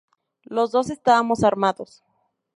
Los dos estábamos armados.